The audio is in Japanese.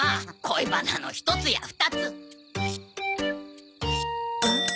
恋バナの一つや二つ。